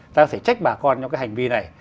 ta có thể trách bà con trong cái hành vi này